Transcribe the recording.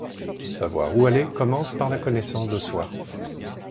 Savoir où aller commence par la connaissance de soi.